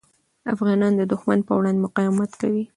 افغانان د دښمن پر وړاندې مقاومت کوي.